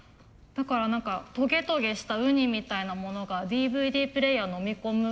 だから何かトゲトゲしたウニみたいなものがＤＶＤプレーヤーのみ込む